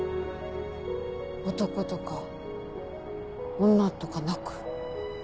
男とか女とかなく。